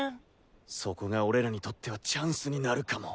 そこが俺らにとってはチャンスになるかも。